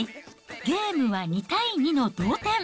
ゲームは２対２の同点。